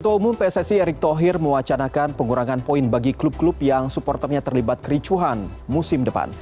ketua umum pssi erick thohir mewacanakan pengurangan poin bagi klub klub yang supporternya terlibat kericuhan musim depan